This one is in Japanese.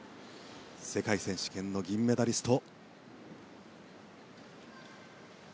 世界選手権の銀メダリスト。